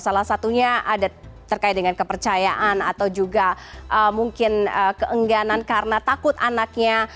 salah satunya ada terkait dengan kepercayaan atau juga mungkin keengganan karena takut anaknya